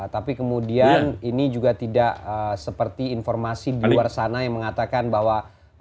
tapi kemudian ini juga tidak seperti informasi di luar sana yang mengatakan bahwa